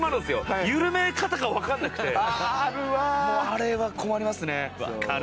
あれは困りますね。